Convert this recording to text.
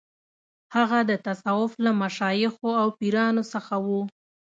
هغه د تصوف له مشایخو او پیرانو څخه و.